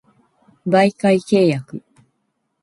媒介契約